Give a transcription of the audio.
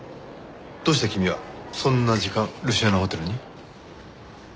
どうして君はそんな時間ルシアナホテルに？